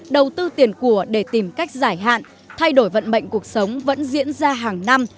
đầu tư tiền của để tìm cách giải hạn thay đổi vận mệnh cuộc sống vẫn diễn ra hàng năm